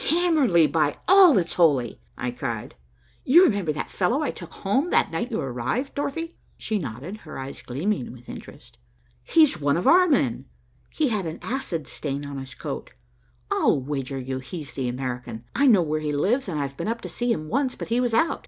"Hamerly, by all that's holy!" I cried. "You remember that fellow I took home that night you arrived, Dorothy?" She nodded, her eyes gleaming with interest. "He's one of our men, and he had an acid stain on his coat. I'll wager you he's the American. I know where he lives and I've been up to see him once, but he was out.